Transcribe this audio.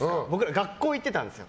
僕ら、学校に行ってたんですよ。